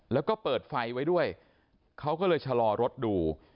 แล้วก็เปิดไฟไว้ด้วยเขาก็เลยชะลอรถดู